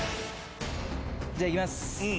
じゃいきます。